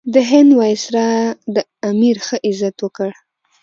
د هند وایسرا د امیر ښه عزت وکړ.